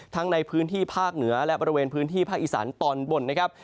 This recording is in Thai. ในพื้นที่ภาคเหนือและบริเวณพื้นที่ภาคอีสานตอนบนนะครับ